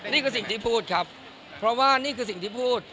นี่คือสิ่งที่พูดครับเพราะว่านี่คือสิ่งที่พูด